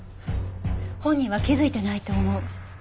本人は気づいてないと思う。